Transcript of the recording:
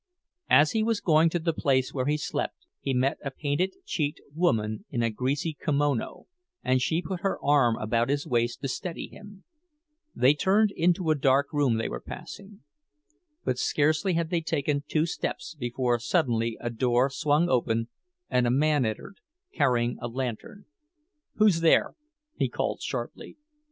As he was going to the place where he slept, he met a painted cheeked woman in a greasy "kimono," and she put her arm about his waist to steady him; they turned into a dark room they were passing—but scarcely had they taken two steps before suddenly a door swung open, and a man entered, carrying a lantern. "Who's there?" he called sharply.